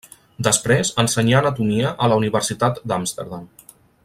Després ensenyà anatomia a la Universitat d'Amsterdam.